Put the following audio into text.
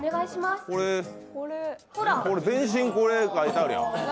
全身これ描いてあるやん。